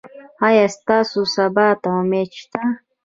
ایا ستاسو سبا ته امید شته؟